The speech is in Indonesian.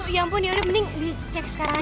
ya ampun yaudah mending dicek sekali